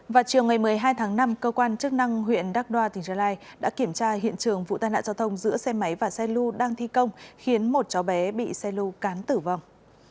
vào chiều ngày một mươi hai tháng năm cơ quan chức năng huyện đắk đoa tỉnh gia lai đã kiểm tra hiện trường vụ tai nạn giao thông giữa xe máy và xe lưu đang thi công khiến một cháu bé bị xe lưu cán tử vong